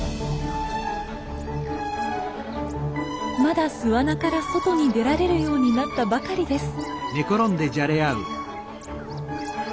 まだ巣穴から外に出られるようになったばかりです。